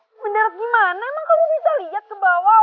mendarat gimana emang kamu bisa lihat ke bawah